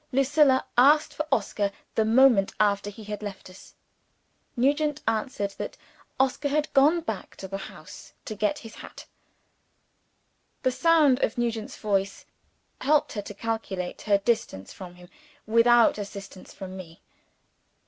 Lucilla asked for Oscar the moment after he had left us. Nugent answered that Oscar had gone back to the house to get his hat. The sound of Nugent's voice helped her to calculate her distance from him without assistance from me.